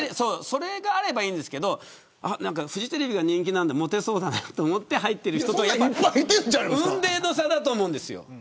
それがあればいんですけどフジテレビが人気なんでモテそうだなと思って入っている人とは雲泥の差だと思うんですよ。